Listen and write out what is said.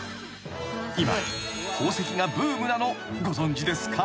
［今宝石がブームなのご存じですか？］